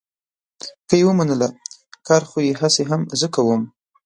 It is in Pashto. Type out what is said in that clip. که یې ومنله، کار خو یې هسې هم زه کوم.